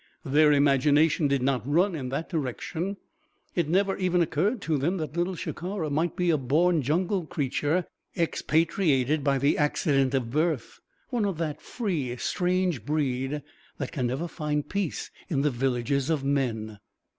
Their imagination did not run in that direction. It never even occurred to them that Little Shikara might be a born jungle creature, expatriated by the accident of birth one of that free, strange breed that can never find peace in the villages of men.